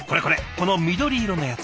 この緑色のやつ。